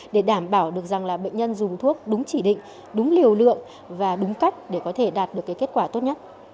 để đảm bảo được rằng là bệnh nhân dùng thuốc đúng chỉ định đúng liều lượng và đúng cách để có thể đạt được kết quả tốt nhất